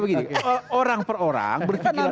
hal orang per orang berpikiran